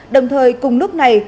đồng thời cùng lúc này